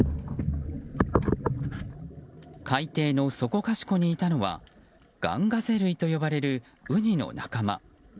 海底のそこかしこにいたのはガンガゼ類と呼ばれるウニの仲間。